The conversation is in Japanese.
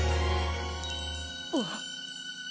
あっ！